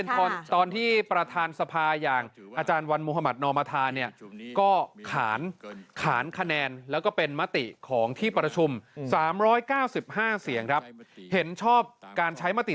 ขออนุญาตนิดนึงครับ